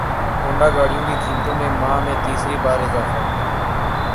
Honda گاڑیوں کی قیمتوں میں ماہ میں تیسری بار اضافہ